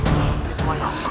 harimau jatuhkan juga